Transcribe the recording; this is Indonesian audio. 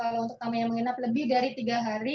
kalau untuk tamu yang menginap lebih dari tiga hari